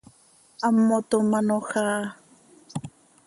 Hammotómanoj áa.